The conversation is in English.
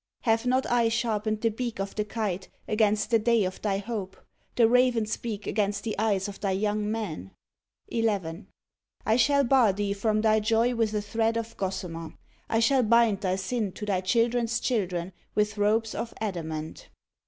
Have not I sharpened the beak of the kite against the day of thy hope; the raven's beak against the eyes of thy young men*? 1 1. I shall bar thee from thy joy with a thread of gossamer; I shall bind thy sin to thy children's children with ropes of adamant.